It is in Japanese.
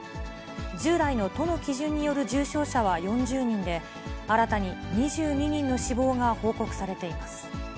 従来の都の基準による重症者は４０人で、新たに２２人の死亡が報告されています。